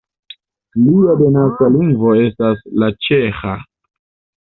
Lia denaska lingvo estas la ĉeĥa.